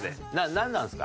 なんなんですか？